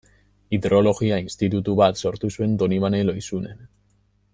Hidrologia institutu bat sortu zuen Donibane Lohizunen.